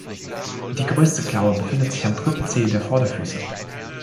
Die größte Klaue befindet am dritten Zeh der Vorderfüße.